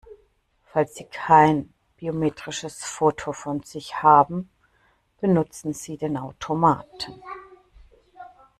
Falls Sie kein biometrisches Foto von sich haben, benutzen Sie den Automaten!